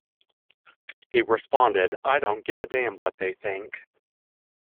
He responded, I don't give a damn what they think.